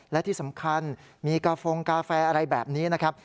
และที่สำคัญมีกาโฟงกาแฟอะไรแบบนี้นะครับ